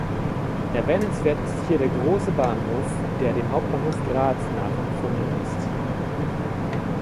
Erwähnenswert ist hier der große Bahnhof, der dem Hauptbahnhof Graz nachempfunden ist.